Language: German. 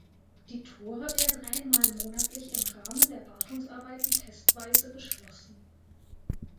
Die Tore werden einmal monatlich im Rahmen der Wartungsarbeiten testweise geschlossen.